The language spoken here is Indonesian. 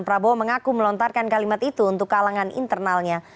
prabowo mengaku melontarkan kalimat itu untuk kalangan internalnya